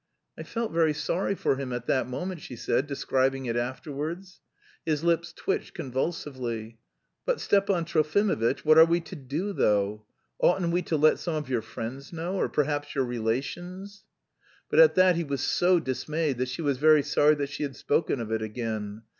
("I felt very sorry for him at that moment," she said, describing it afterwards.) His lips twitched convulsively. "But, Stepan Trofimovitch, what are we to do though? Oughtn't we to let some of your friends know, or perhaps your relations?" But at that he was so dismayed that she was very sorry that she had spoken of it again.